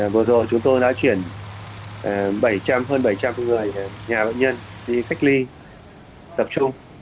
vừa rồi chúng tôi đã chuyển hơn bảy trăm linh người nhà bệnh nhân đi cách ly tập trung